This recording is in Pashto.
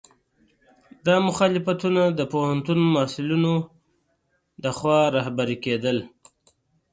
دا مخالفتونه د پوهنتون محصلینو لخوا رهبري کېدل.